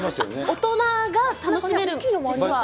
大人が楽しめる、実は。